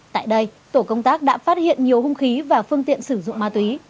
tại đây tổ công tác đã phát hiện nhiều hung khí và phương tiện sử dụng ma túy